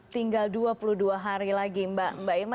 tinggal dua puluh dua hari lagi mbak irma